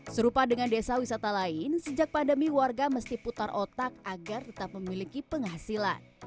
serupa dengan desa wisata lain sejak pandemi warga mesti putar otak agar tetap memiliki penghasilan